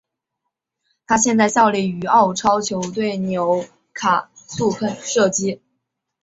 他现在效力于澳超球队纽卡素喷射机。